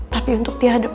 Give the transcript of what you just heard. tapi untuk dihadepin